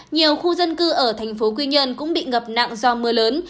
nhiều khu dân cư ở thành phố quy nhơn cũng bị ngập nặng do mưa lớn